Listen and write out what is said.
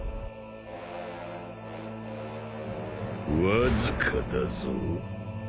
わずかだぞ